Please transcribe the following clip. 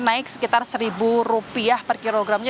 naik sekitar rp satu per kilogramnya